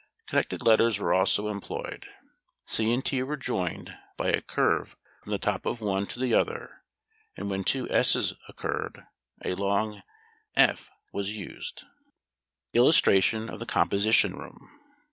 Connected letters were also employed; c and t were joined by a curve from the top of one to the other; and when two s's occurred a long ſ was used. [Illustration: COMPOSITION ROOM.